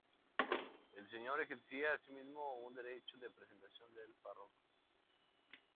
El señor ejercía asimismo el derecho de presentación del párroco.